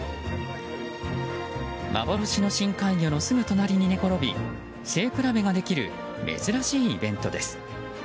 幻の深海魚のすぐ隣に寝転び背比べができる珍しいイベントです。